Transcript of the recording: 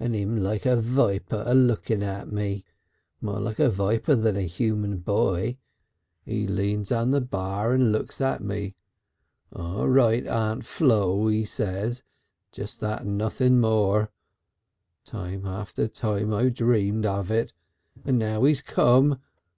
And him like a viper a looking at me more like a viper than a human boy. He leans on the bar and looks at me. 'All right, Aunt Flo,' he says, just that and nothing more. Time after time, I've dreamt of it, and now he's come.